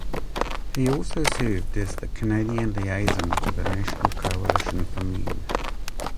He also served as the Canadian Liaison for the National Coalition for Men.